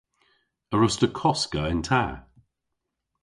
A wruss'ta koska yn ta?